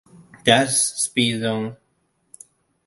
That's "Speed Zone".